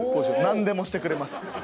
なんでもしてくれます。